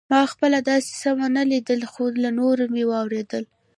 ما خپله داسې څه ونه لیدل خو له نورو مې واورېدل.